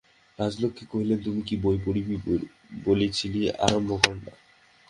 রাজলক্ষ্মী কহিলেন, তুই কী বই পড়িবি বলিয়াছিলি, আরম্ভ কর-না।